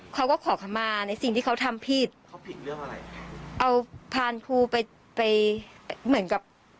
เขาก็ขอคำมาในสิ่งที่เขาทำผิดเขาผิดเรื่องอะไรเอาพานครูไปไปเหมือนกับ